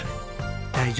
大丈夫。